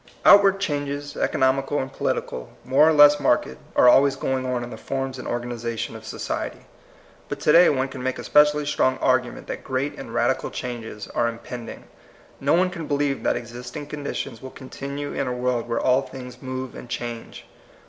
OuTWABD changes, economical and polit ical, more or less marked, are always going on in the forms and organization of society. But to day one can make a specially strong argument that great and radical changes are impending. No oi\e can believe that existing conditions will continue in a world where all things move and change.